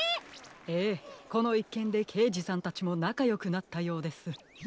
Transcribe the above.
ええこのいっけんでけいじさんたちもなかよくなったようです。